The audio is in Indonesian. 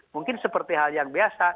mungkin seperti hal yang biasa